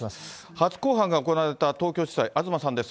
初公判が行われた東京地裁、東さんです。